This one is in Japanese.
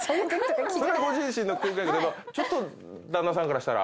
それはご自身のちょっと旦那さんからしたら。